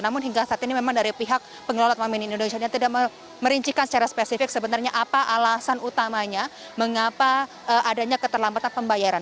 namun hingga saat ini memang dari pihak pengelola taman mini indonesia ini tidak merincikan secara spesifik sebenarnya apa alasan utamanya mengapa adanya keterlambatan pembayaran